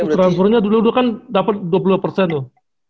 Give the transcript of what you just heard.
transfernya dulu kan dapat dua puluh loh